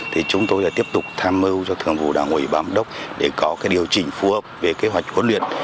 thì chúng tôi đã tiếp tục tham mưu cho thượng vụ đảng ủy bám đốc để có điều chỉnh phù hợp về kế hoạch huấn luyện